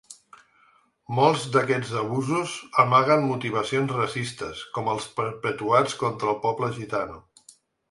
Molts d’aquests abusos amaguen motivacions racistes, com els perpetuats contra el poble gitano.